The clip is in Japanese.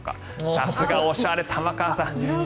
さすが、おしゃれ、玉川さん。